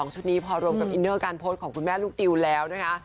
ชุดนี้พอรวมกับอินเนอร์การโพสต์ของคุณแม่ลูกติวแล้วนะคะ